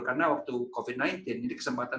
karena waktu covid sembilan belas ini kesempatan